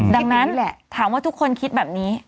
ดังนั้นแหละถามว่าทุกคนคิดแบบนี้